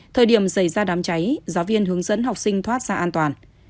thời điểm xảy ra đám cháy giáo viên hướng dẫn học sinh thoát ra an toàn